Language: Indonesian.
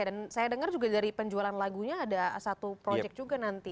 dan saya dengar juga dari penjualan lagunya ada satu project juga nanti